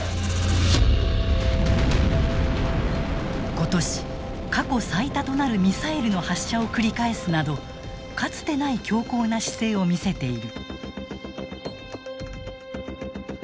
今年過去最多となるミサイルの発射を繰り返すなどかつてない強硬な姿勢を見せている。